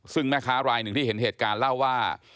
ซึ่งแม่ค้ารายหนึ่งที่เห็นเหตุการณ์เล่าว่า